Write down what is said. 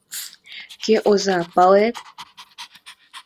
Кӧ оза, палет!..